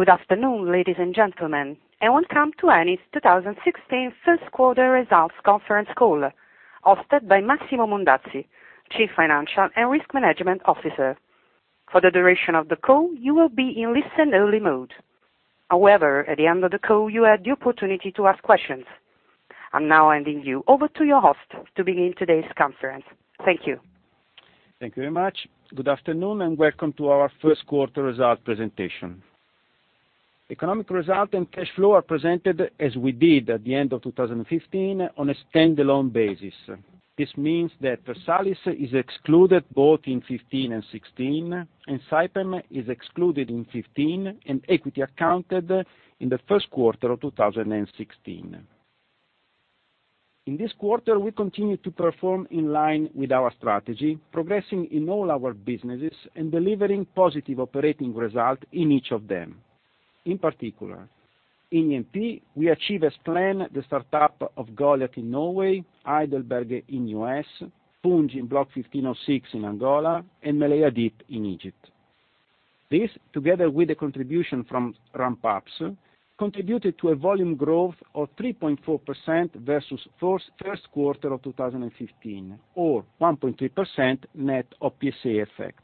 Good afternoon, ladies and gentlemen, and welcome to Eni's 2016 first quarter results conference call, hosted by Massimo Mondazzi, Chief Financial and Risk Management Officer. For the duration of the call, you will be in listen only mode. However, at the end of the call, you will have the opportunity to ask questions. I'm now handing you over to your host to begin today's conference. Thank you. Thank you very much. Good afternoon, and welcome to our first quarter result presentation. Economic result and cash flow are presented as we did at the end of 2015 on a standalone basis. This means that Versalis is excluded both in '15 and '16, and Saipem is excluded in '15 and equity accounted in the first quarter of 2016. In this quarter, we continued to perform in line with our strategy, progressing in all our businesses and delivering positive operating result in each of them. In particular, in E&P, we achieve as planned the startup of Goliat in Norway, Heidelberg in U.S., Fungo in Block 15/06 in Angola, and Meleiha Deep in Egypt. This, together with the contribution from ramp ups, contributed to a volume growth of 3.4% versus the first quarter of 2015, or 1.3% net of PSA effect.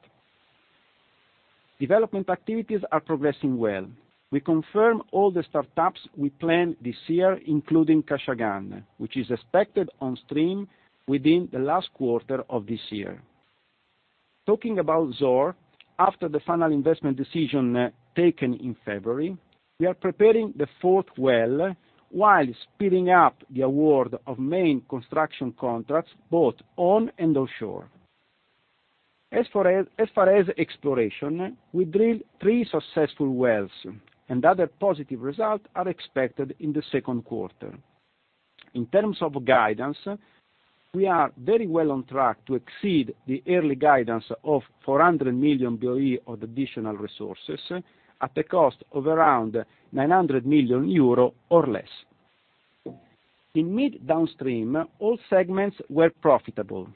Development activities are progressing well. We confirm all the startups we planned this year, including Kashagan, which is expected on stream within the last quarter of this year. Talking about Zohr, after the final investment decision taken in February, we are preparing the fourth well while speeding up the award of main construction contracts, both on and offshore. As far as exploration, we drilled three successful wells, and other positive results are expected in the second quarter. In terms of guidance, we are very well on track to exceed the early guidance of 400 million BOE of additional resources at the cost of around 900 million euro or less. In mid downstream, all segments were profitable,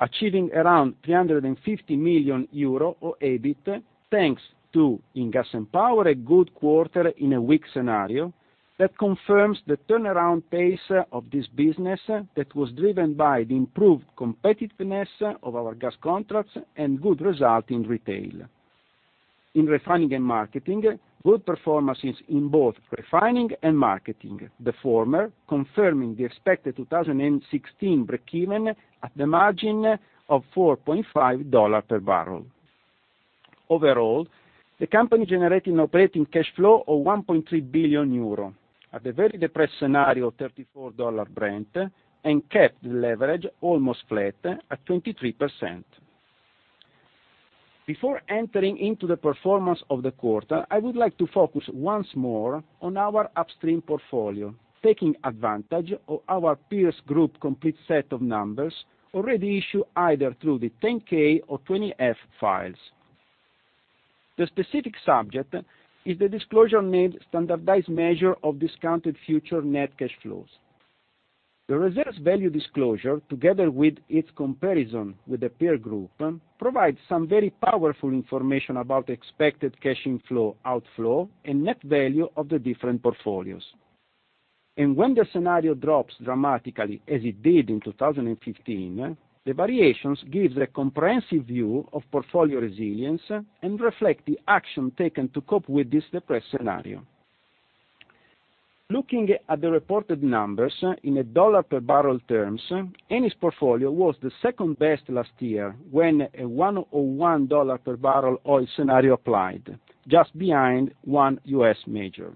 achieving around 350 million euro of EBIT, thanks to, in Gas & Power, a good quarter in a weak scenario that confirms the turnaround pace of this business that was driven by the improved competitiveness of our gas contracts and good result in retail. In Refining & Marketing, good performances in both Refining & Marketing, the former confirming the expected 2016 breakeven at the margin of $4.5 per barrel. Overall, the company generated an operating cash flow of 1.3 billion euro at the very depressed scenario of $34 Brent, and kept the leverage almost flat at 23%. Before entering into the performance of the quarter, I would like to focus once more on our upstream portfolio, taking advantage of our peers group complete set of numbers already issued either through the 10-K or 20F files. The specific subject is the disclosure named Standardized Measure of Discounted Future Net Cash Flows. The reserves value disclosure, together with its comparison with the peer group, provides some very powerful information about expected cash inflow, outflow, and net value of the different portfolios. When the scenario drops dramatically, as it did in 2015, the variations give a comprehensive view of portfolio resilience and reflect the action taken to cope with this depressed scenario. Looking at the reported numbers in USD per barrel terms, Eni's portfolio was the second best last year, when a $101 per barrel oil scenario applied, just behind one U.S. major.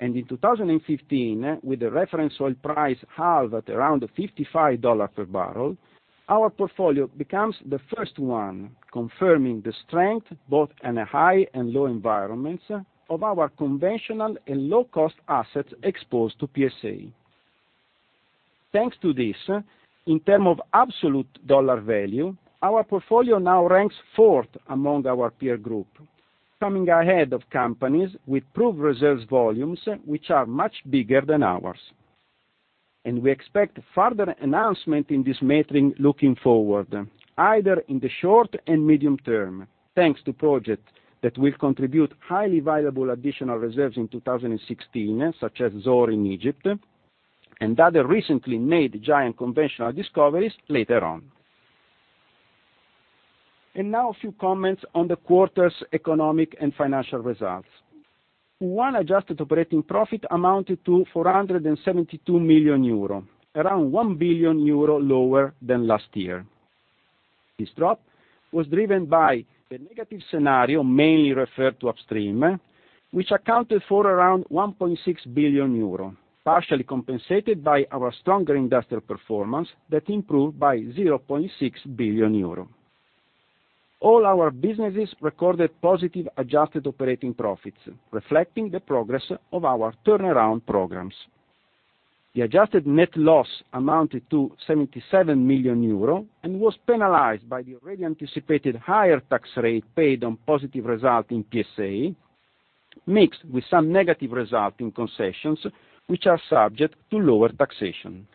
In 2015, with the reference oil price halved at around $55 per barrel, our portfolio becomes the first one, confirming the strength, both in high and low environments, of our conventional and low-cost assets exposed to PSA. Thanks to this, in terms of absolute EUR value, our portfolio now ranks fourth among our peer group, coming ahead of companies with proved reserves volumes which are much bigger than ours. We expect further announcement in this metric looking forward, either in the short and medium term, thanks to projects that will contribute highly valuable additional reserves in 2016, such as Zohr in Egypt, and other recently made giant conventional discoveries later on. Now a few comments on the quarter's economic and financial results. Our adjusted operating profit amounted to 472 million euro, around 1 billion euro lower than last year. This drop was driven by the negative scenario mainly referred to upstream, which accounted for around 1.6 billion euro, partially compensated by our stronger industrial performance that improved by 0.6 billion euro. All our businesses recorded positive adjusted operating profits, reflecting the progress of our turnaround programs. The adjusted net loss amounted to 77 million euro and was penalized by the already anticipated higher tax rate paid on positive results in PSA, mixed with some negative results in concessions, which are subject to lower taxation.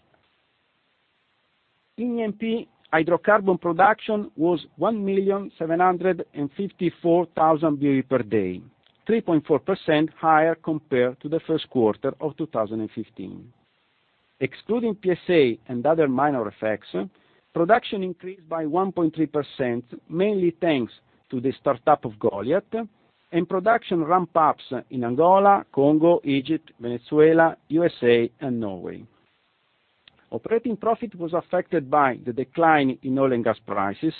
In E&P, hydrocarbon production was 1,754,000 BOE per day, 3.4% higher compared to the first quarter of 2015. Excluding PSA and other minor effects, production increased by 1.3%, mainly thanks to the startup of Goliat, and production ramp ups in Angola, Congo, Egypt, Venezuela, USA, and Norway. Operating profit was affected by the decline in oil and gas prices,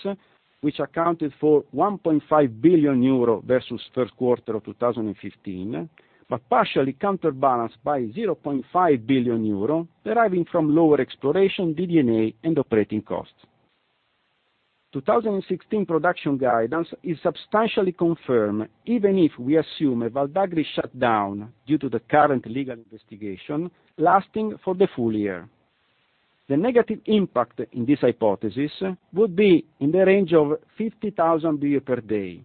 which accounted for 1.5 billion euro versus first quarter of 2015, but partially counterbalanced by 0.5 billion euro deriving from lower exploration, DD&A, and operating costs. 2016 production guidance is substantially confirmed, even if we assume a Val d'Agri shutdown due to the current legal investigation lasting for the full year. The negative impact in this hypothesis would be in the range of 50,000 BOE per day,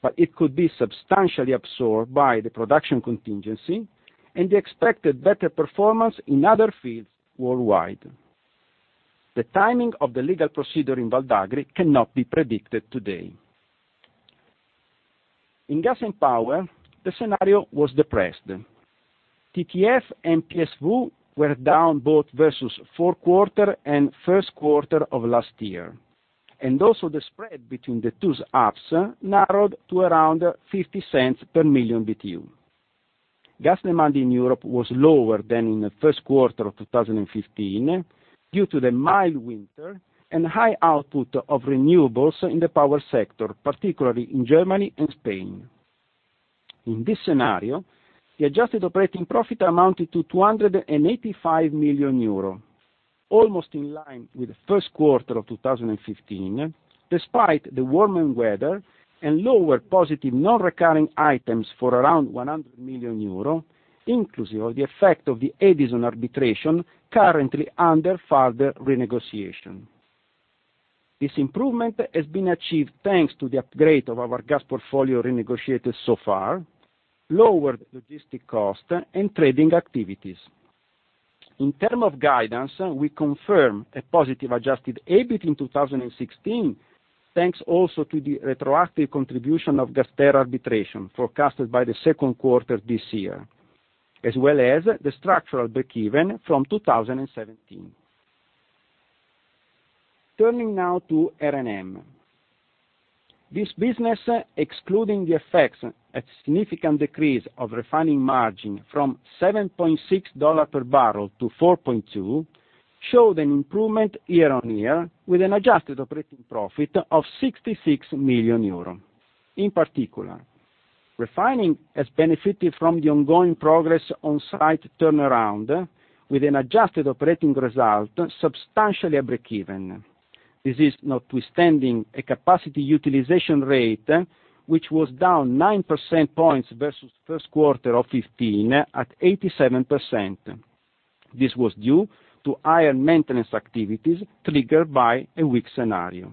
but it could be substantially absorbed by the production contingency and the expected better performance in other fields worldwide. The timing of the legal procedure in Val d'Agri cannot be predicted today. In Gas & Power, the scenario was depressed. TTF and PSV were down both versus fourth quarter and first quarter of last year, the spread between the two hubs narrowed to around 0.50 per million BTU. Gas demand in Europe was lower than in the first quarter of 2015, due to the mild winter and high output of renewables in the power sector, particularly in Germany and Spain. In this scenario, the adjusted operating profit amounted to €285 million, almost in line with the first quarter of 2015, despite the warming weather and lower positive non-recurring items for around €100 million, inclusive of the effect of the Edison arbitration currently under further renegotiation. This improvement has been achieved thanks to the upgrade of our gas portfolio renegotiated so far, lower logistic cost, and trading activities. In terms of guidance, we confirm a positive adjusted EBIT in 2016, thanks also to the retroactive contribution of GasTerra arbitration forecasted by the second quarter this year, as well as the structural breakeven from 2017. Turning now to R&M. This business, excluding the effects, a significant decrease of refining margin from $7.6 per barrel to $4.2 per barrel, showed an improvement year-on-year with an adjusted operating profit of €66 million. In particular, refining has benefited from the ongoing progress on-site turnaround with an adjusted operating result substantially breakeven. This is notwithstanding a capacity utilization rate, which was down 9% points versus first quarter of 2015, at 87%. This was due to higher maintenance activities triggered by a weak scenario,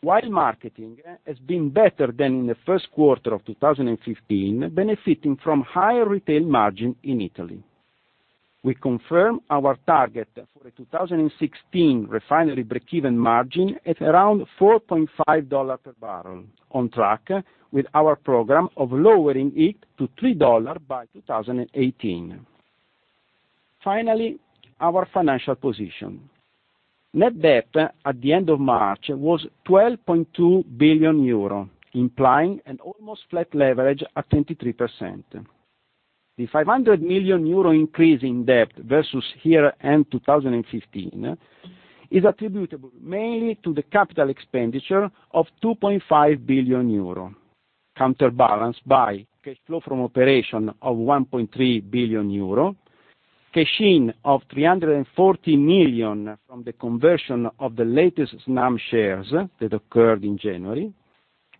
while marketing has been better than in the first quarter of 2015, benefiting from higher retail margin in Italy. We confirm our target for a 2016 refinery breakeven margin at around $4.5 per barrel, on track with our program of lowering it to $3 by 2018. Finally, our financial position. Net debt at the end of March was €12.2 billion, implying an almost flat leverage at 23%. The €500 million increase in debt versus year end 2015 is attributable mainly to the capital expenditure of €2.5 billion, counterbalanced by cash flow from operation of €1.3 billion, cash in of 340 million from the conversion of the latest Snam shares that occurred in January,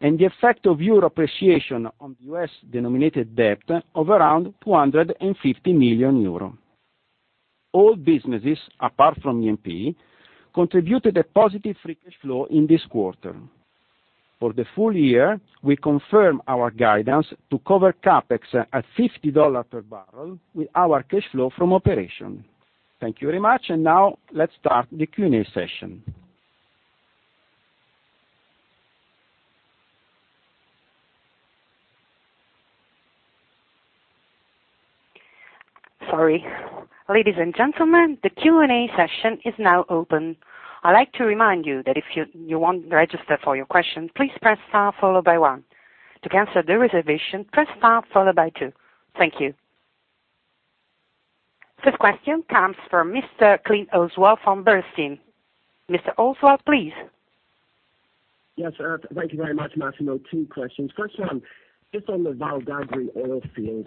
and the effect of euro appreciation on the US-denominated debt of around €250 million. All businesses, apart from E&P, contributed a positive free cash flow in this quarter. For the full year, we confirm our guidance to cover CapEx at $50 per barrel with our cash flow from operation. Thank you very much, and now let's start the Q&A session. Sorry. Ladies and gentlemen, the Q&A session is now open. I'd like to remind you that if you want to register for your question, please press star followed by 1. To cancel the reservation, press star followed by 2. Thank you. First question comes from Mr. Oswald Clint from Bernstein. Mr. Clint, please. Yes, thank you very much, Massimo. Two questions. First one, just on the Val d'Agri oil field-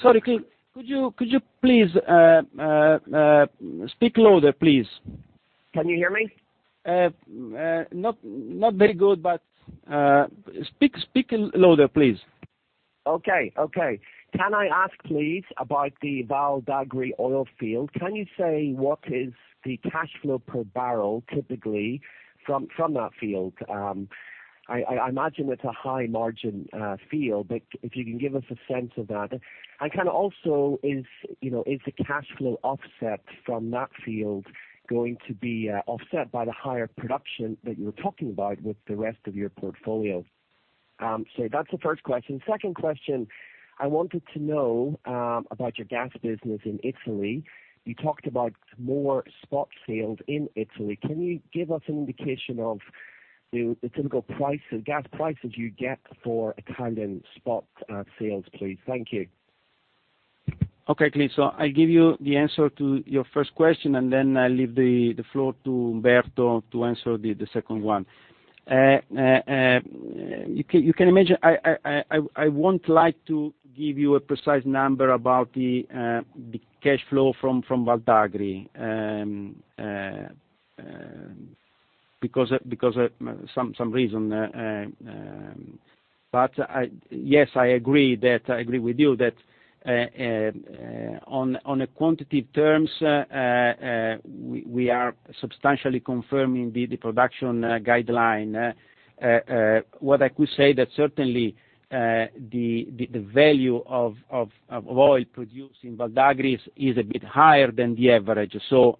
Sorry, Clint. Could you please speak louder, please? Can you hear me? Not very good. Speak louder, please. Okay. Can I ask, please, about the Val d'Agri oil field? Can you say what is the cash flow per barrel, typically from that field? I imagine it's a high margin field, but if you can give us a sense of that. Kind of also, is the cash flow offset from that field going to be offset by the higher production that you were talking about with the rest of your portfolio? That's the first question. Second question, I wanted to know about your gas business in Italy. You talked about more spot sales in Italy. Can you give us an indication of the typical gas prices you get for kind of spot sales, please? Thank you. Okay, Clint, I give you the answer to your first question, then I leave the floor to Umberto to answer the second one. You can imagine, I won't like to give you a precise number about the cash flow from Val d'Agri, because of some reason. Yes, I agree with you that on a quantity terms, we are substantially confirming the production guideline. What I could say that certainly, the value of oil produced in Val d'Agri is a bit higher than the average. All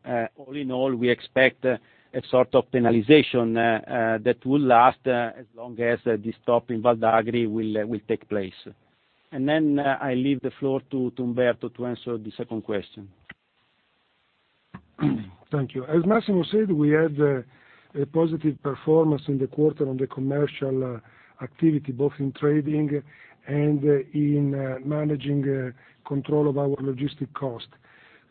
in all, we expect a sort of penalization that will last as long as the stop in Val d'Agri will take place. Then I leave the floor to Umberto to answer the second question. Thank you. As Mondazzi said, we had a positive performance in the quarter on the commercial activity, both in trading and in managing control of our logistic cost.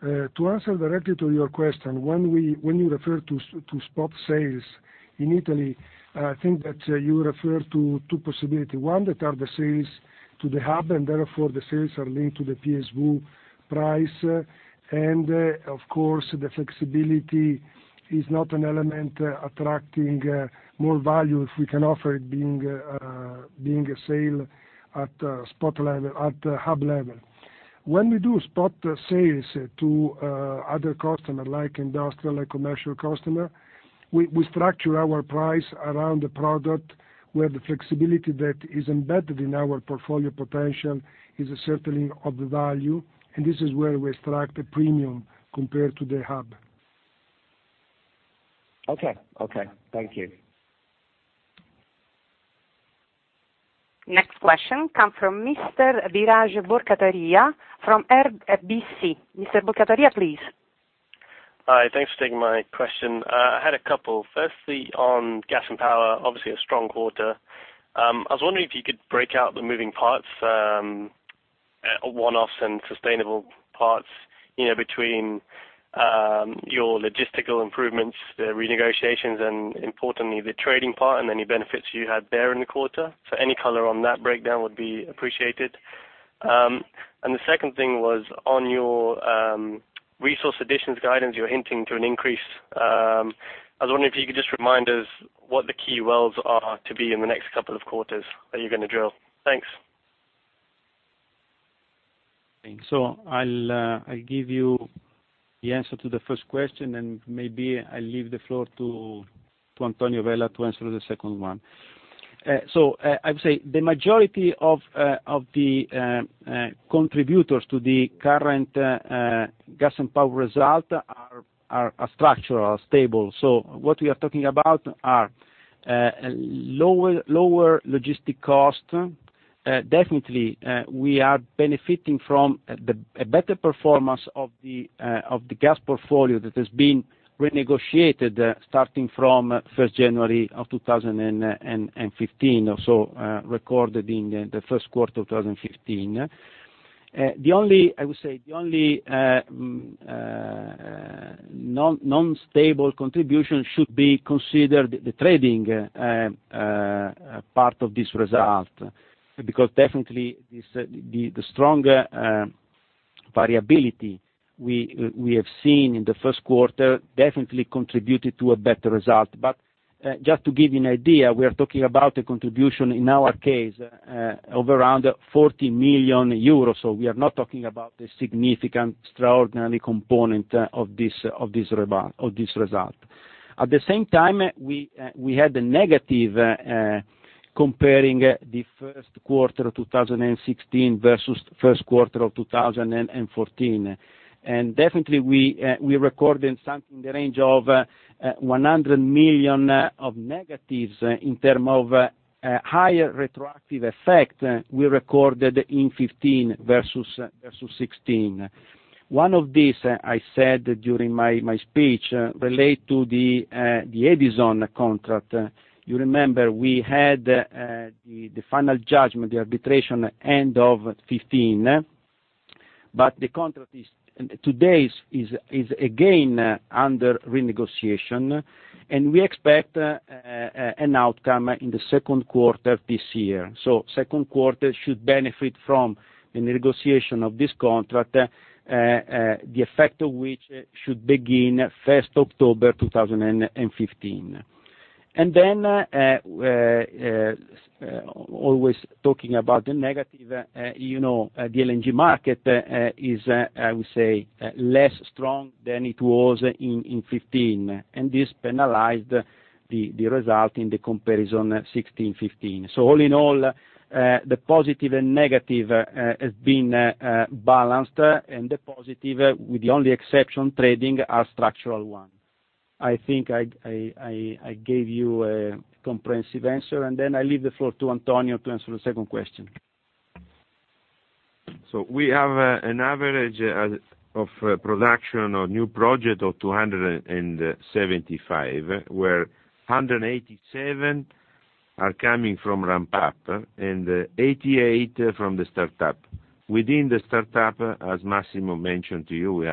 To answer directly to your question, when you refer to spot sales in Italy, I think that you refer to two possibility. One, that are the sales to the hub, therefore the sales are linked to the PSV price. Of course, the flexibility is not an element attracting more value if we can offer it being a sale at hub level. When we do spot sales to other customer like industrial, like commercial customer, we structure our price around the product where the flexibility that is embedded in our portfolio potential is certainly of the value, and this is where we extract a premium compared to the hub. Okay. Thank you. Next question come from Mr. Biraj Borkhataria from RBC. Mr. Borkhataria, please. Hi. Thanks for taking my question. I had a couple. Firstly, on Gas & Power, obviously a strong quarter. I was wondering if you could break out the moving parts, one-offs and sustainable parts, between your logistical improvements, the renegotiations, and importantly, the trading part and any benefits you had there in the quarter. Any color on that breakdown would be appreciated. The second thing was on your resource additions guidance, you were hinting to an increase. I was wondering if you could just remind us what the key wells are to be in the next couple of quarters that you're going to drill. Thanks. Thanks. I'll give you the answer to the first question, and maybe I leave the floor to Antonio Vella to answer the second one. I would say the majority of the contributors to the current Gas & Power result are structural, are stable. What we are talking about are lower logistic cost. Definitely, we are benefiting from a better performance of the gas portfolio that has been renegotiated, starting from 1st January 2015, or so, recorded in the first quarter 2015. I would say, the only non-stable contribution should be considered the trading part of this result, because definitely the stronger variability we have seen in the first quarter definitely contributed to a better result. Just to give you an idea, we are talking about a contribution, in our case, of around 40 million euros. We are not talking about a significant, extraordinary component of this result. At the same time, we had a negative comparing the first quarter 2016 versus the first quarter 2014. Definitely, we recorded something in the range of 100 million of negatives in term of higher retroactive effect we recorded in 2015 versus 2016. One of these, I said during my speech, relate to the Edison contract. You remember we had the final judgment, the arbitration, end of 2015. The contract today is again under renegotiation, and we expect an outcome in the second quarter of this year. Second quarter should benefit from the negotiation of this contract, the effect of which should begin 1st October 2015. Always talking about the negative, the LNG market is, I would say, less strong than it was in 2015, and this penalized the result in the comparison 2016/2015. All in all, the positive and negative has been balanced, and the positive, with the only exception, trading, are structural one. I think I gave you a comprehensive answer, I leave the floor to Antonio to answer the second question. We have an average of production on new project of 275, where 187 are coming from ramp-up and 88 from the startup. Within the startup, as Massimo mentioned to you, we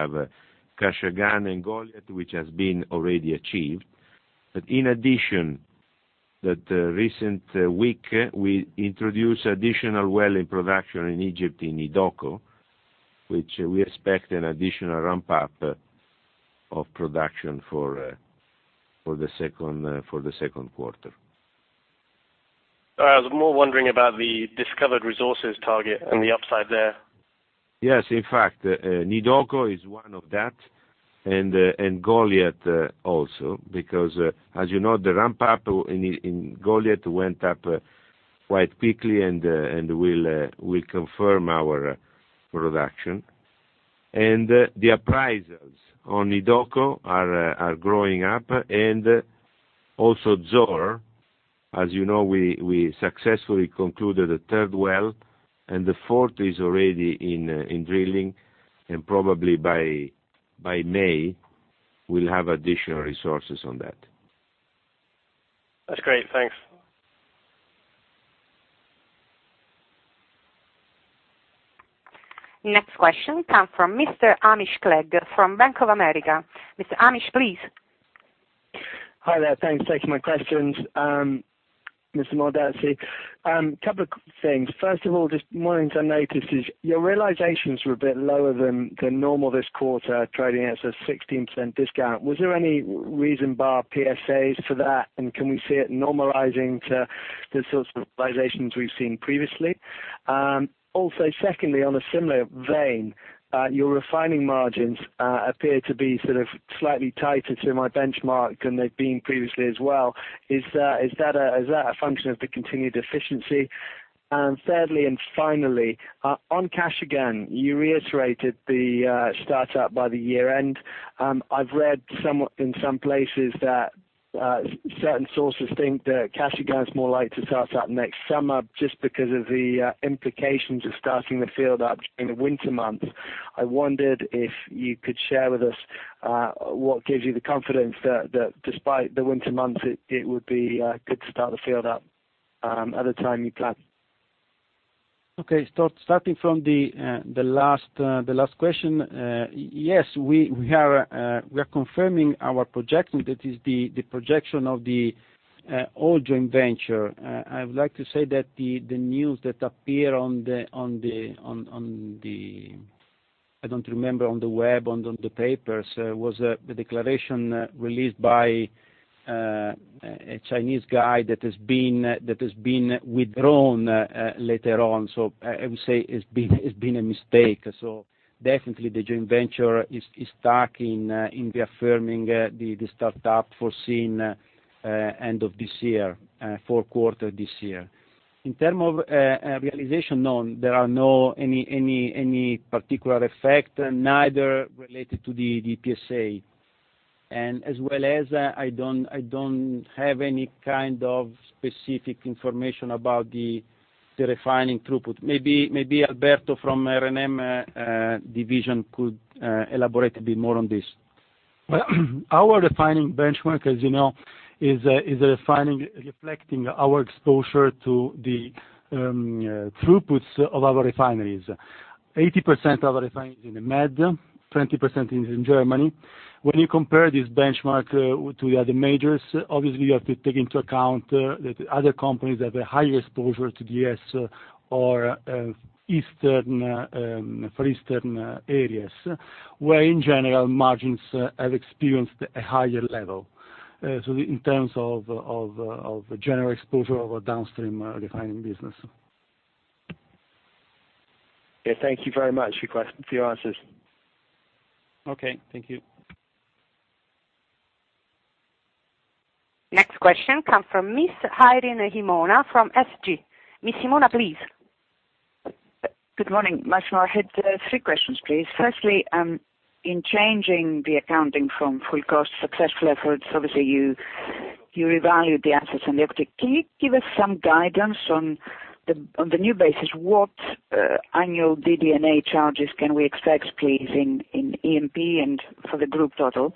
have Kashagan and Goliat, which has been already achieved. In addition, that recent week, we introduced additional well in production in Egypt, in Nooros, which we expect an additional ramp-up of production for the second quarter. Sorry, I was more wondering about the discovered resources target and the upside there. In fact, Nooros is one of that and Goliat also, because as you know, the ramp-up in Goliat went up quite quickly and will confirm our production. The appraisals on Nooros are growing up. Also Zohr, as you know, we successfully concluded a third well, and the fourth is already in drilling, and probably by May, we'll have additional resources on that. That's great. Thanks. Next question come from Mr. Hamish Clegg from Bank of America. Mr. Hamish, please. Hi there. Thanks for taking my questions, Mr. Mondazzi. Couple of things. First of all, just one thing to notice is your realizations were a bit lower than normal this quarter, trading at a 16% discount. Was there any reason bar PSAs for that? Can we see it normalizing to the sorts of realizations we've seen previously? Also, secondly, on a similar vein, your refining margins appear to be sort of slightly tighter to my benchmark than they've been previously as well. Is that a function of the continued efficiency? Thirdly and finally, on Kashagan, you reiterated the startup by the year-end. I've read in some places that certain sources think that Kashagan is more likely to start up next summer just because of the implications of starting the field up during the winter months. I wondered if you could share with us what gives you the confidence that despite the winter months, it would be good to start the field up at the time you plan? Okay. Starting from the last question. Yes, we are confirming our projection, that is the projection of the old joint venture. I would like to say that the news that appear on the, I don't remember, on the web or on the papers, was the declaration released by a Chinese guy that has been withdrawn later on. I would say it's been a mistake. Definitely the joint venture is stuck in the affirming the startup foreseen end of this year, fourth quarter this year. In terms of realization, no, there are no particular effects, neither related to the PSA. As well as, I don't have any kind of specific information about the refining throughput. Maybe Alberto from R&M division could elaborate a bit more on this. Our refining benchmark, as you know, is a refining reflecting our exposure to the throughputs of our refineries. 80% of our refineries in the Med, 20% is in Germany. When you compare this benchmark to the other majors, obviously, you have to take into account that other companies have a higher exposure to the U.S. or for Eastern areas, where in general, margins have experienced a higher level. In terms of general exposure of our downstream refining business. Yeah. Thank you very much for your answers. Okay. Thank you. Next question come from Miss Irene Himona from SG. Miss Himona, please. Good morning. Massimo, I had three questions, please. Firstly, in changing the accounting from full cost successful efforts, obviously, you revalued the assets in the uptick. Can you give us some guidance on the new basis, what annual DD&A charges can we expect, please, in E&P and for the group total?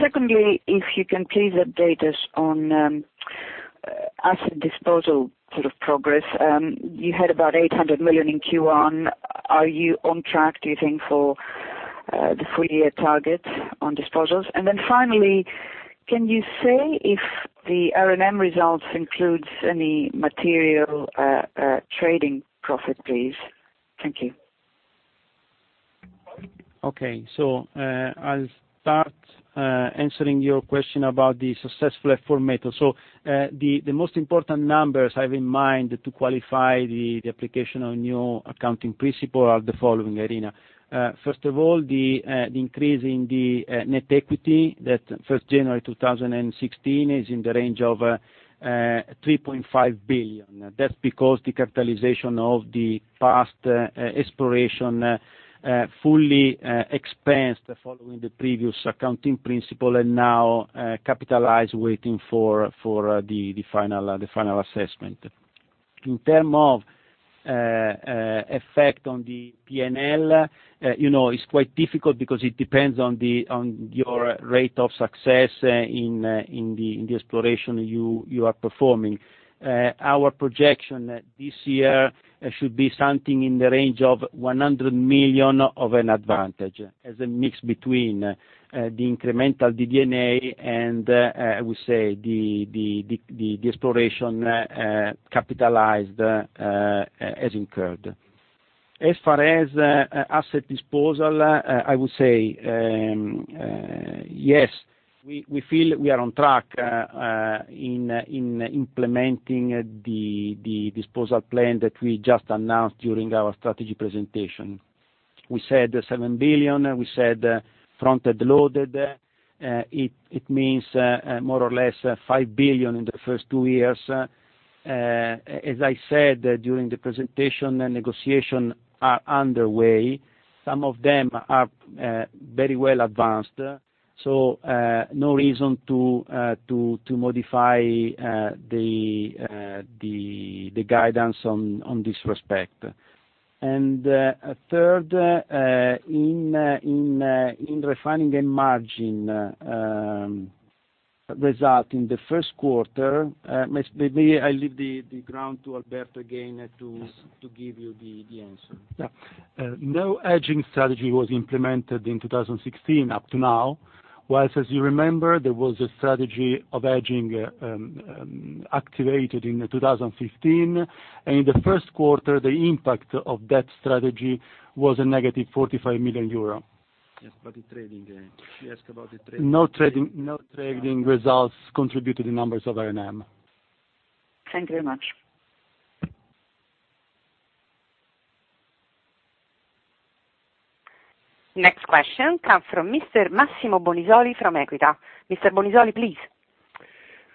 Secondly, if you can please update us on asset disposal sort of progress. You had about 800 million in Q1. Are you on track, do you think, for the full year targets on disposals? Finally, can you say if the R&M results includes any material trading profit, please? Thank you. Okay. I'll start answering your question about the successful efforts. The most important numbers I have in mind to qualify the application of new accounting principle are the following, Irene. First of all, the increase in the net equity, that 1st January 2016, is in the range of 3.5 billion. That's because the capitalization of the past exploration fully expensed following the previous accounting principle, and now capitalized waiting for the final assessment. In term of effect on the P&L, it's quite difficult because it depends on your rate of success in the exploration you are performing. Our projection this year should be something in the range of 100 million of an advantage, as a mix between the incremental DD&A and, I would say, the exploration capitalized as incurred. As far as asset disposal, I would say yes, we feel we are on track in implementing the disposal plan that we just announced during our strategy presentation. We said 7 billion. We said front-end loaded. It means more or less 5 billion in the first two years. As I said during the presentation, negotiations are underway. Some of them are very well advanced, no reason to modify the guidance on this respect. Third, in refining the margin result in the first quarter, maybe I leave the ground to Alberto again to give you the answer. Yeah. No hedging strategy was implemented in 2016 up to now. As you remember, there was a strategy of hedging activated in 2015, and in the first quarter, the impact of that strategy was a negative 45 million euro. Yes, the trading. She asked about the trading. No trading results contribute to the numbers of R&M. Thank you very much. Next question comes from Mr. Massimo Bonisoli from Equita. Mr. Bonisoli, please.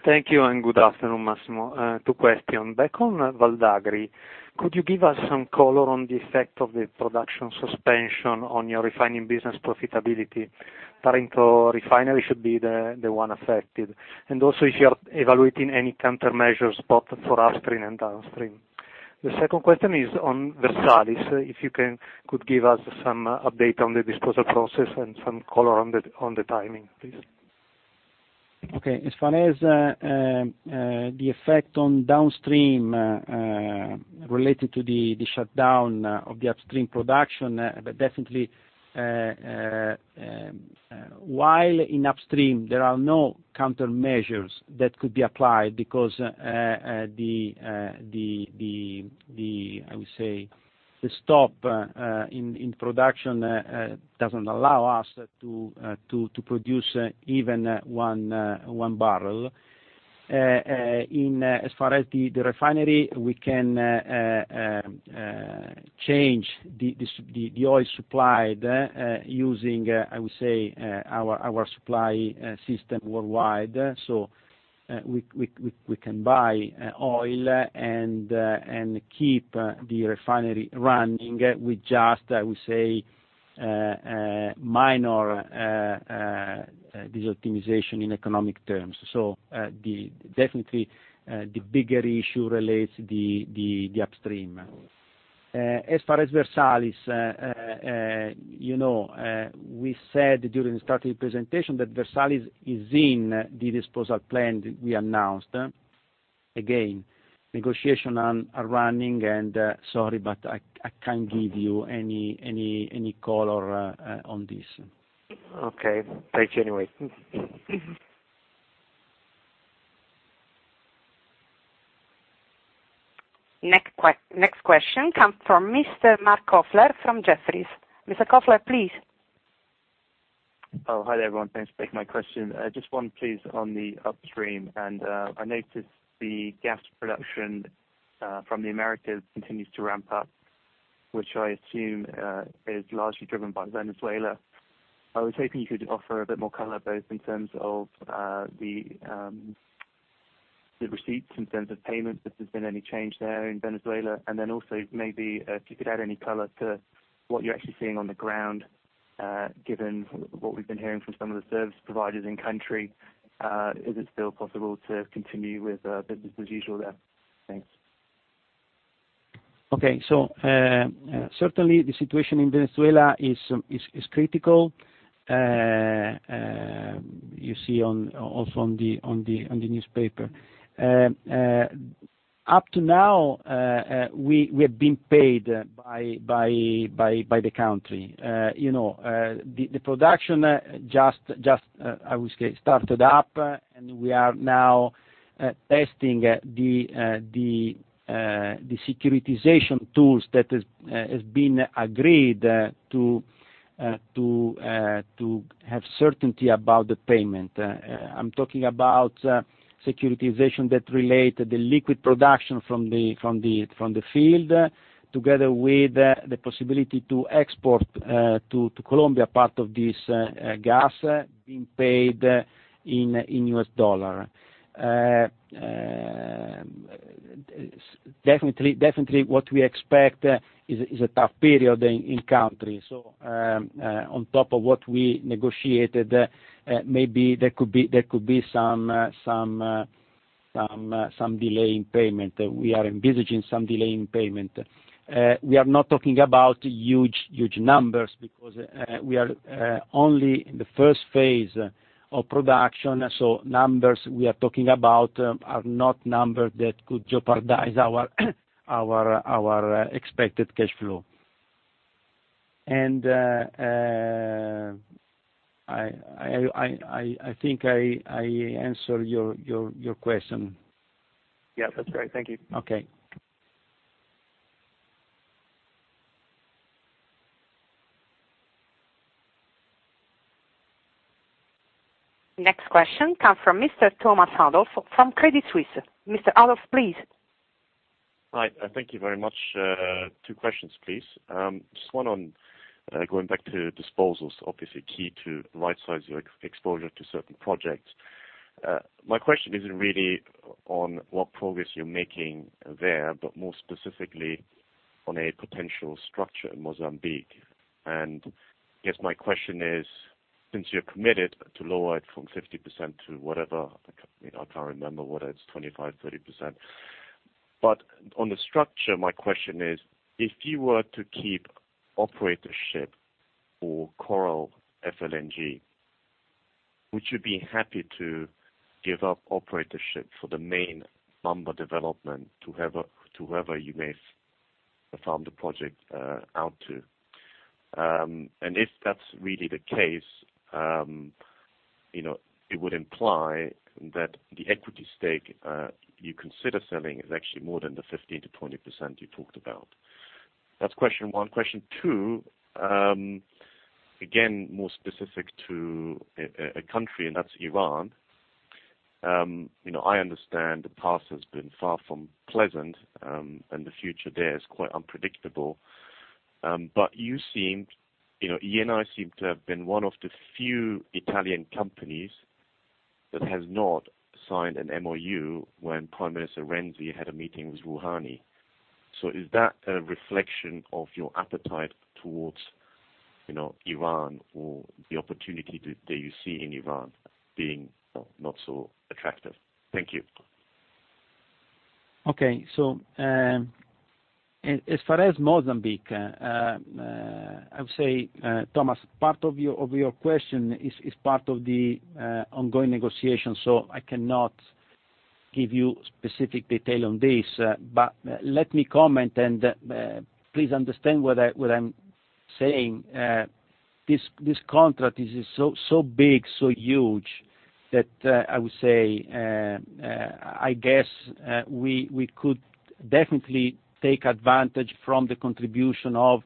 Thank you and good afternoon. Massimo. Two question. Back on Val d'Agri. Could you give us some color on the effect of the production suspension on your refining business profitability? Taranto refinery should be the one affected. Also, if you are evaluating any countermeasures, both for upstream and downstream. The second question is on Versalis. If you could give us some update on the disposal process and some color on the timing, please. Okay. As far as the effect on downstream related to the shutdown of the upstream production, definitely, while in upstream, there are no countermeasures that could be applied because the stop in production doesn't allow us to produce even one barrel. As far as the refinery, we can change the oil supplied using our supply system worldwide. We can buy oil and keep the refinery running with just minor dis-optimization in economic terms. Definitely, the bigger issue relates the upstream. As far as Versalis, we said during the strategy presentation that Versalis is in the disposal plan we announced. Again, negotiation are running, sorry, but I can't give you any color on this. Okay. Thank you anyway. Next question comes from Mr. Marc Kofler from Jefferies. Mr. Kofler, please. Hi, everyone. Thanks. Make my question. Just one please, on the upstream. I noticed the gas production from the Americas continues to ramp up, which I assume is largely driven by Venezuela. I was hoping you could offer a bit more color, both in terms of the receipts, in terms of payments, if there's been any change there in Venezuela. Also maybe if you could add any color to what you're actually seeing on the ground given what we've been hearing from some of the service providers in country. Is it still possible to continue with business as usual there? Thanks. Certainly the situation in Venezuela is critical. You see also on the newspaper. Up to now, we have been paid by the country. The production just, I would say, started up, and we are now testing the securitization tools that has been agreed to have certainty about the payment. I'm talking about securitization that relate the liquid production from the field, together with the possibility to export to Colombia part of this gas being paid in USD. Definitely, what we expect is a tough period in country. On top of what we negotiated, maybe there could be some delay in payment. We are envisaging some delay in payment. We are not talking about huge numbers because we are only in the first phase of production. Numbers we are talking about are not numbers that could jeopardize our expected cash flow. I think I answer your question. Yeah, that's great. Thank you. Okay. Next question come from Mr. Thomas Adolff from Credit Suisse. Mr. Adolff, please. Hi, thank you very much. Two questions, please. Just one on going back to disposals, obviously key to right-size your exposure to certain projects. My question isn't really on what progress you're making there, but more specifically on a potential structure in Mozambique. I guess my question is, since you're committed to lower it from 50% to whatever, I can't remember whether it's 25%-30%. On the structure, my question is, if you were to keep operatorship for Coral FLNG, would you be happy to give up operatorship for the main Mamba development to whoever you may farm the project out to? If that's really the case, it would imply that the equity stake you consider selling is actually more than the 15%-20% you talked about. That's question one. Question two, again, more specific to a country, that's Iran. I understand the past has been far from pleasant, the future there is quite unpredictable. Eni seem to have been one of the few Italian companies that has not signed an MoU when Prime Minister Renzi had a meeting with Rouhani. Is that a reflection of your appetite towards Iran or the opportunity that you see in Iran being not so attractive? Thank you. As far as Mozambique, I would say, Thomas Adolff, part of your question is part of the ongoing negotiation, I cannot give you specific detail on this. Let me comment, and please understand what I am saying. This contract is so big, so huge that I would say, I guess we could definitely take advantage from the contribution of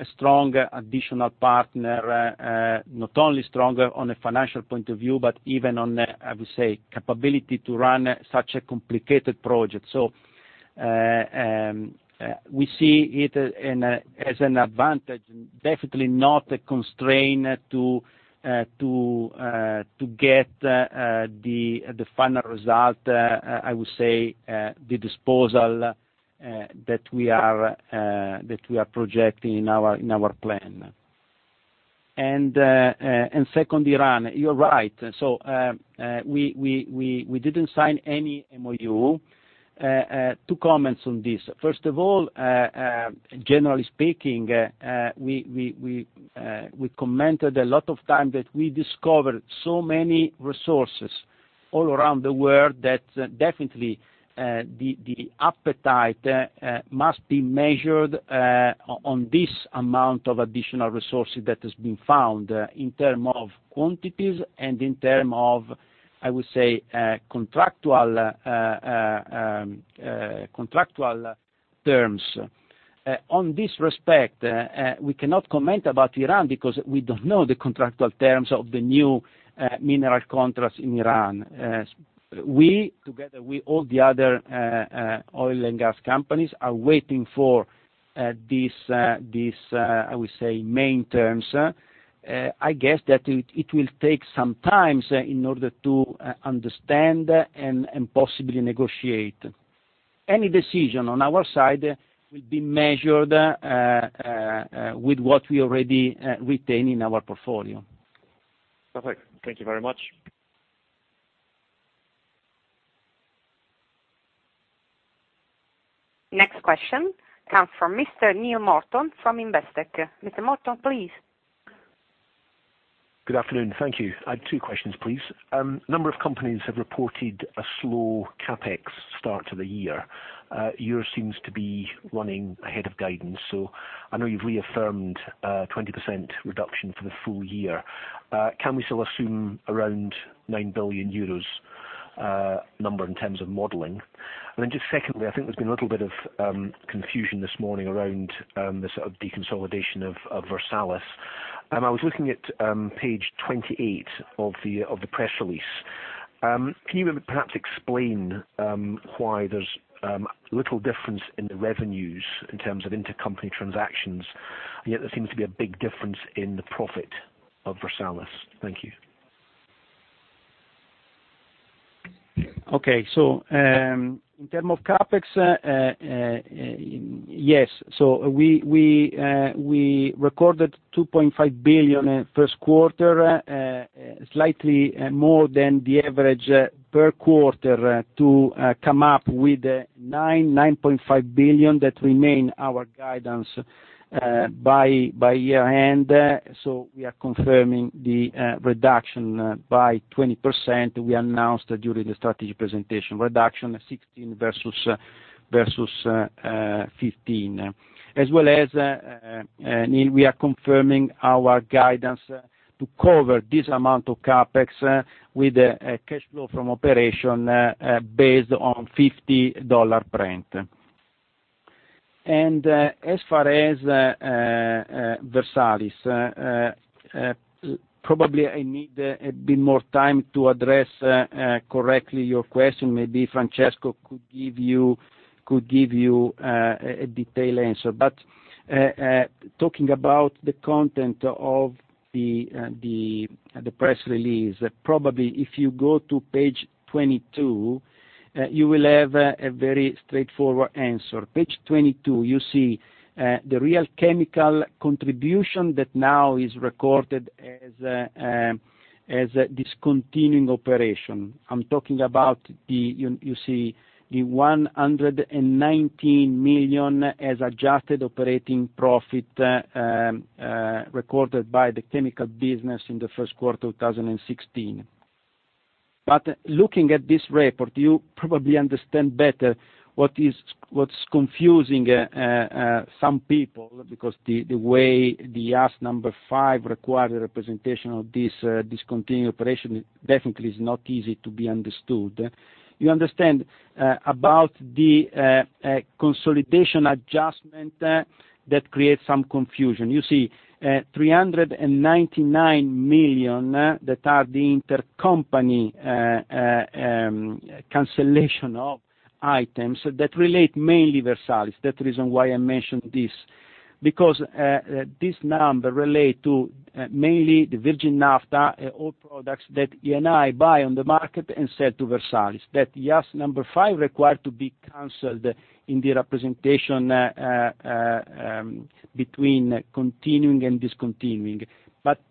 a strong additional partner, not only stronger on a financial point of view, but even on, I would say, capability to run such a complicated project. We see it as an advantage, definitely not a constraint to get the final result, I would say, the disposal that we are projecting in our plan. Second, Iran. You are right. We didn't sign any MoU. Two comments on this. First of all, generally speaking, we commented a lot of time that we discovered so many resources all around the world that definitely the appetite must be measured on this amount of additional resources that has been found in terms of quantities and in terms of, I would say, contractual terms. On this respect, we cannot comment about Iran because we don't know the contractual terms of the new mineral contracts in Iran. We, together with all the other oil and gas companies, are waiting for these, I would say, main terms. I guess that it will take some time in order to understand and possibly negotiate. Any decision on our side will be measured with what we already retain in our portfolio. Perfect. Thank you very much. Next question comes from Mr. Neill Morton from Investec. Mr. Morton, please. Good afternoon. Thank you. I have two questions, please. Number of companies have reported a slow CapEx start to the year. Yours seems to be running ahead of guidance. I know you've reaffirmed a 20% reduction for the full year. Can we still assume around 9 billion euros? Number in terms of modeling. Just secondly, I think there's been a little bit of confusion this morning around the sort of deconsolidation of Versalis. I was looking at page 28 of the press release. Can you perhaps explain why there's little difference in the revenues in terms of intercompany transactions, and yet there seems to be a big difference in the profit of Versalis? Thank you. Okay. In terms of CapEx, yes. We recorded 2.5 billion first quarter, slightly more than the average per quarter to come up with 9.5 billion that remain our guidance by year-end. We are confirming the reduction by 20%, we announced during the strategy presentation. Reduction 2016 versus 2015. As well as, Neill, we are confirming our guidance to cover this amount of CapEx with a cash flow from operation based on $50 Brent. As far as Versalis, probably I need a bit more time to address correctly your question. Maybe Francesco could give you a detailed answer. Talking about the content of the press release, probably if you go to page 22, you will have a very straightforward answer. Page 22, you see the real chemical contribution that now is recorded as discontinuing operation. I'm talking about, you see the 119 million as adjusted operating profit, recorded by the chemical business in the first quarter of 2016. Looking at this report, you probably understand better what's confusing some people, because the way the IFRS 5 requires a representation of this discontinued operation definitely is not easy to be understood. You understand, about the consolidation adjustment that creates some confusion. You see 399 million that are the intercompany cancellation of items that relates mainly Versalis. That reason why I mentioned this, because this number relates to mainly the virgin naphtha, all products that Eni buy on the market and sell to Versalis. That IFRS 5 requires to be canceled in the representation between continuing and discontinuing.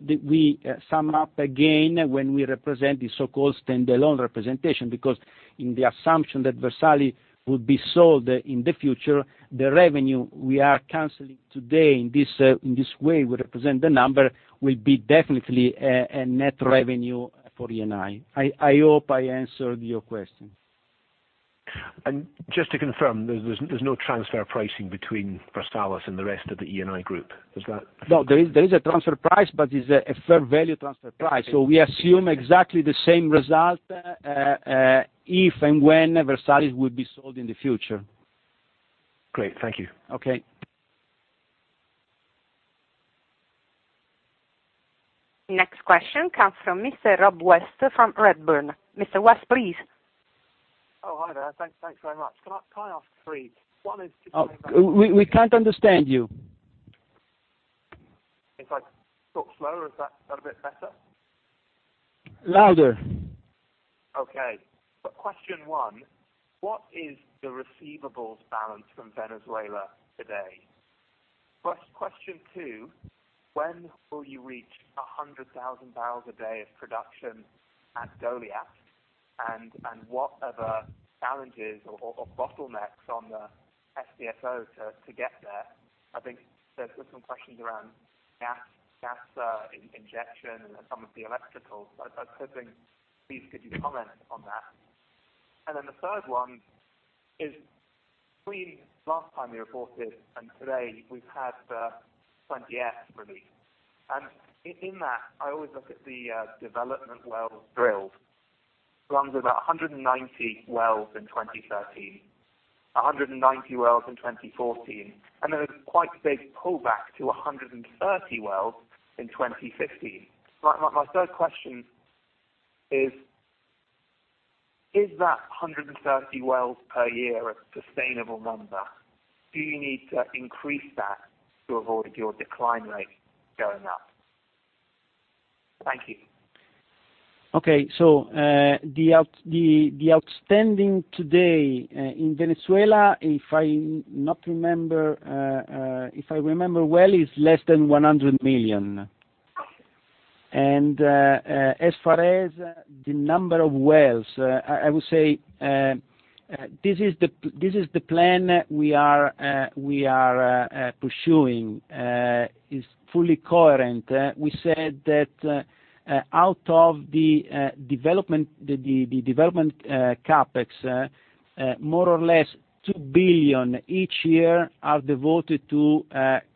We sum up again when we represent the so-called standalone representation, because in the assumption that Versalis would be sold in the future, the revenue we are canceling today in this way we represent the number, will be definitely a net revenue for Eni. I hope I answered your question. Just to confirm, there's no transfer pricing between Versalis and the rest of the Eni group. Is that? No, there is a transfer price, but it's a fair value transfer price. We assume exactly the same result, if and when Versalis will be sold in the future. Great. Thank you. Okay. Next question comes from Mr. Rob West from Redburn. Mr. West, please. Oh, hi there. Thanks very much. Can I ask three? One is- We can't understand you. If I talk slower, is that a bit better? Louder. Okay. Question one, what is the receivables balance from Venezuela today? Question two, when will you reach 100,000 barrels a day of production at Goliat? What are the challenges or bottlenecks on the FPSO to get there? I think there's been some questions around gas injection and some of the electricals. I was hoping, please could you comment on that? The third one is, between last time you reported and today, we've had the 20F release. In that, I always look at the development wells drilled. It runs about 190 wells in 2013, 190 wells in 2014, and then a quite big pullback to 130 wells in 2015. My third question is that 130 wells per year a sustainable number? Do you need to increase that to avoid your decline rate going up? Thank you. Okay. The outstanding today in Venezuela, if I remember well, is less than 100 million. As far as the number of wells, I would say, this is the plan we are pursuing. It is fully coherent. We said that out of the development CapEx, more or less 2 billion each year are devoted to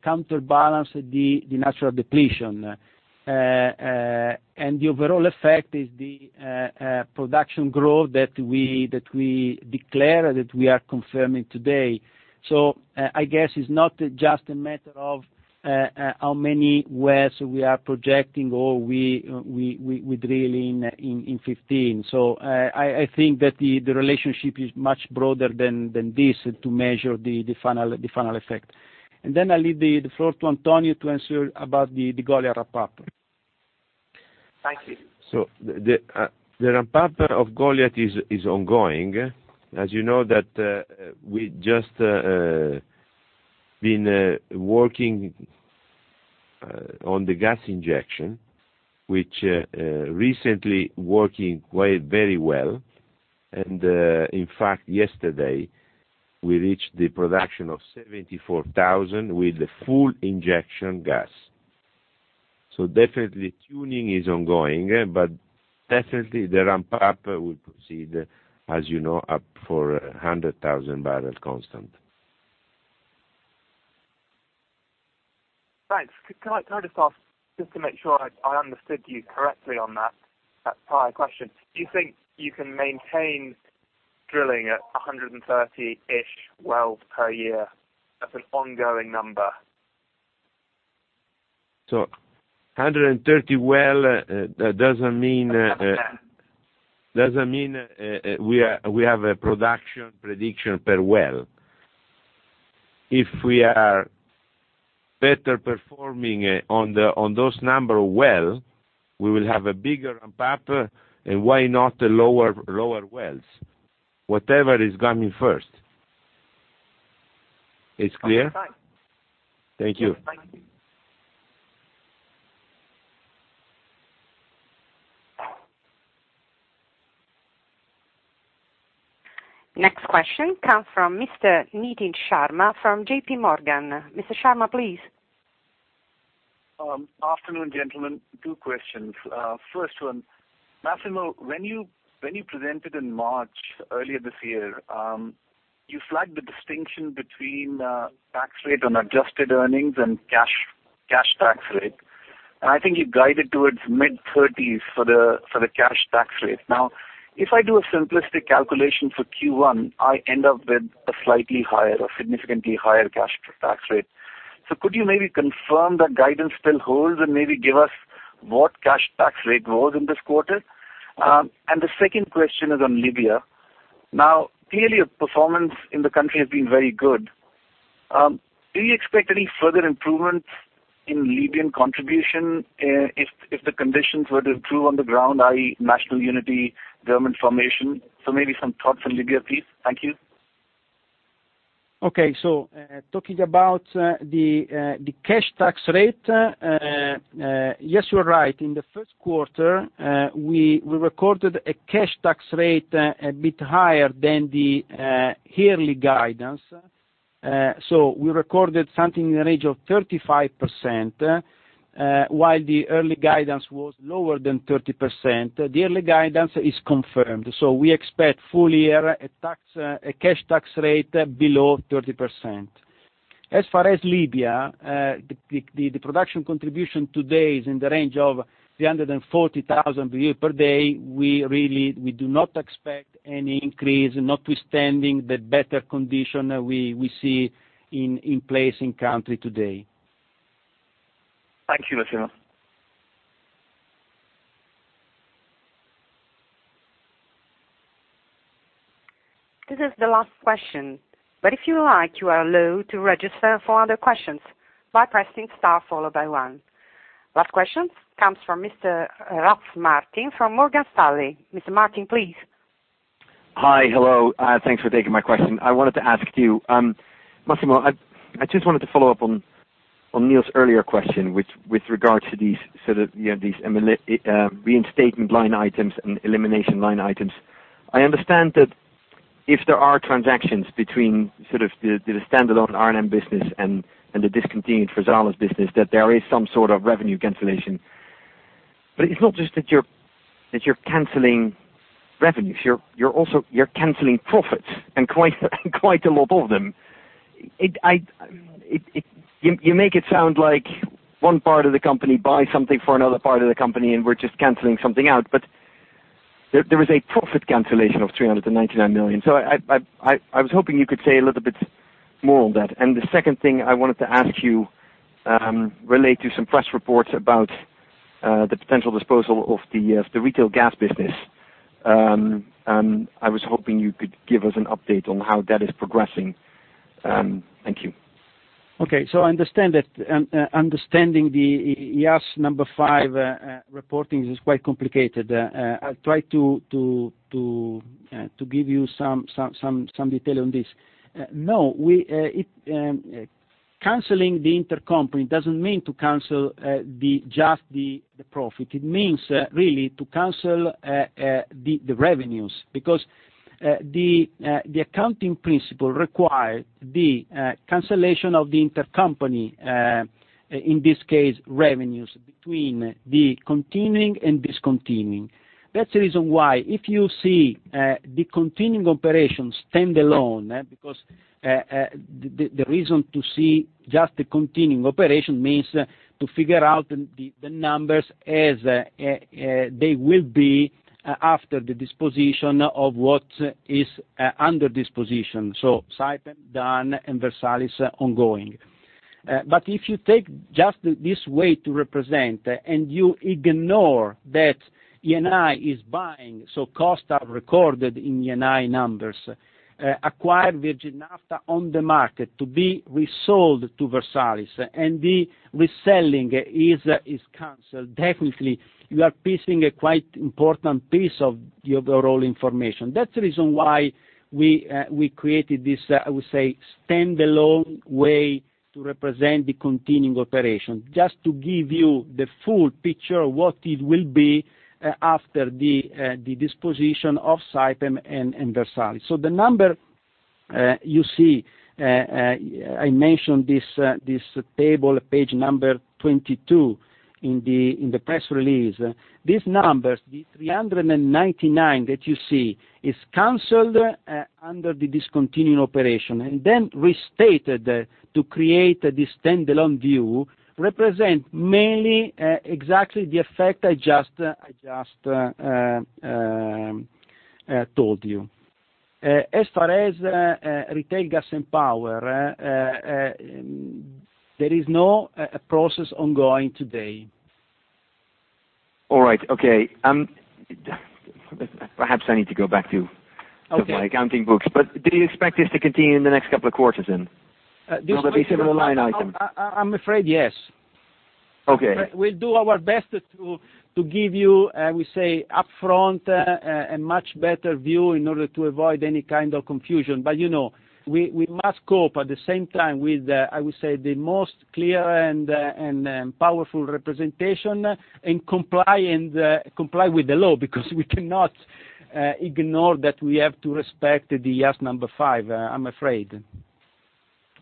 counterbalance the natural depletion. The overall effect is the production growth that we declare, that we are confirming today. I guess it is not just a matter of how many wells we are projecting, or we drill in 2015. I think that the relationship is much broader than this to measure the final effect. Then I leave the floor to Antonio to answer about the Goliat ramp-up. Thank you. The ramp-up of Goliat is ongoing. As you know that we just been working on the gas injection, which recently working very well. In fact, yesterday we reached the production of 74,000 barrel with full injection gas. Definitely tuning is ongoing, but definitely the ramp-up will proceed, as you know, up for 100,000 barrel constant. Thanks. Can I just ask, just to make sure I understood you correctly on that prior question. Do you think you can maintain drilling at 130-ish wells per year as an ongoing number? 130 well doesn't mean we have a production prediction per well. If we are better performing on those number of well, we will have a bigger ramp-up, and why not lower wells? Whatever is coming first. It's clear? Fine. Thank you. Thank you. Next question comes from Mr. Nitin Sharma from JPMorgan. Mr. Sharma, please. Afternoon, gentlemen. Two questions. First one, Massimo, when you presented in March earlier this year, you flagged the distinction between tax rate on adjusted earnings and cash tax rate. I think you guided towards mid-30s for the cash tax rate. If I do a simplistic calculation for Q1, I end up with a slightly higher or significantly higher cash tax rate. Could you maybe confirm that guidance still holds and maybe give us what cash tax rate was in this quarter? The second question is on Libya. Clearly your performance in the country has been very good. Do you expect any further improvements in Libyan contribution if the conditions were to improve on the ground, i.e., national unity government formation? Maybe some thoughts on Libya, please. Thank you. Okay. Talking about the cash tax rate, yes, you're right. In the first quarter, we recorded a cash tax rate a bit higher than the yearly guidance. We recorded something in the range of 35%, while the early guidance was lower than 30%. The early guidance is confirmed. We expect full year a cash tax rate below 30%. As far as Libya, the production contribution today is in the range of 340,000 barrels per day. We do not expect any increase, notwithstanding the better condition we see in place in country today. Thank you, Massimo. This is the last question, but if you like, you are allowed to register for other questions by pressing star followed by 1. Last question comes from Mr. Martijn Rats from Morgan Stanley. Mr. Martijn, please. Hi. Hello. Thanks for taking my question. I wanted to ask you, Massimo, I just wanted to follow up on Neill's earlier question with regards to these reinstatement line items and elimination line items. I understand that if there are transactions between the standalone R&M business and the discontinued Versalis business, that there is some sort of revenue cancellation. It's not just that you're canceling revenues, you're canceling profits, and quite a lot of them. You make it sound like one part of the company buys something for another part of the company, and we're just canceling something out. There is a profit cancellation of 399 million. I was hoping you could say a little bit more on that. The second thing I wanted to ask you relates to some press reports about the potential disposal of the retail gas business. I was hoping you could give us an update on how that is progressing. Thank you. Okay. Understanding the IFRS 5 reporting is quite complicated. I'll try to give you some detail on this. No, canceling the intercompany doesn't mean to cancel just the profit. It means, really, to cancel the revenues because the accounting principle required the cancellation of the intercompany, in this case, revenues between the continuing and discontinued. That's the reason why, if you see the continuing operations stand alone, because the reason to see just the continuing operation means to figure out the numbers as they will be after the disposition of what is under disposition. Saipem done and Versalis ongoing. If you take just this way to represent and you ignore that Eni is buying, costs are recorded in Eni numbers, acquire virgin naphtha on the market to be resold to Versalis, and the reselling is canceled, definitely, you are piecing a quite important piece of the overall information. That's the reason why we created this, I would say, standalone way to represent the continuing operation, just to give you the full picture of what it will be after the disposition of Saipem and Versalis. The number you see, I mentioned this table, page 22 in the press release. This number, the 399 that you see, is canceled under the discontinued operation, and then restated to create this standalone view, represents mainly exactly the effect I just told you. As far as retail gas and power, there is no process ongoing today. All right. Okay. Perhaps I need to go back to some of my accounting books. Do you expect this to continue in the next couple of quarters then? As a separate line item. I'm afraid yes. Okay. We'll do our best to give you, I would say, upfront a much better view in order to avoid any kind of confusion. We must cope at the same time with, I would say, the most clear and powerful representation and comply with the law, because we cannot ignore that we have to respect the IFRS 5, I'm afraid.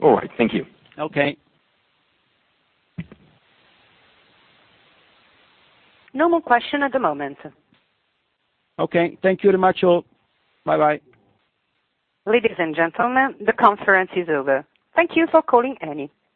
All right. Thank you. Okay. No more question at the moment. Okay. Thank you very much, all. Bye-bye. Ladies and gentlemen, the conference is over. Thank you for calling Eni.